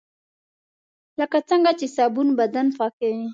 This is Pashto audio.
لکه څنګه چې صابون بدن پاکوي .